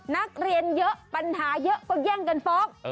นักเรียนเยอะปัญหาเยอะก็แย่งกันฟ้อง